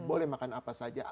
boleh makan apa saja